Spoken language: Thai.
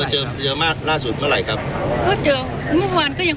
เจอเจอมากล่าสุดเมื่อไหร่ครับก็เจอเมื่อวานก็ยัง